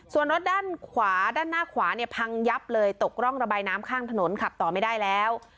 ส่วนรถด้านขวาด้านหน้าขวาเนี่ยพังยับเลยตกร่องระบายน้ำข้างถนนขับต่อไม่ได้แล้ว